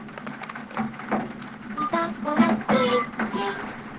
「ピタゴラスイッチ」